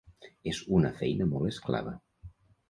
És una feina molt esclava.